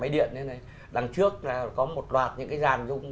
đằng trước có một đoạt những cái dàn